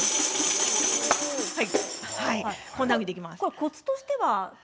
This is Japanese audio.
コツとしては？